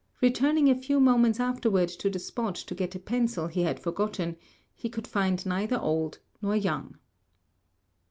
Returning a few moments afterward to the spot to get a pencil he had forgotten, he could find neither old nor young.